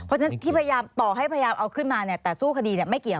เพราะฉะนั้นที่พยายามต่อให้พยายามเอาขึ้นมาเนี่ยแต่สู้คดีไม่เกี่ยว